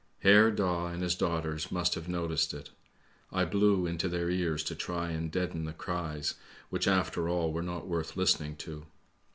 " Herr Daa and his daughters must have noticed it. I blew into their ears to try and deaden the cries which after all were not worth listening to.